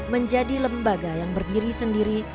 menjadi lembaga yang berdiri sendiri